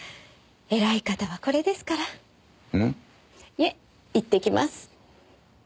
いえいってきます。